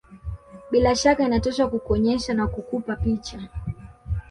Bila shaka inatosha kukuonyesha na kukupa picha